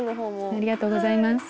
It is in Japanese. ありがとうございます。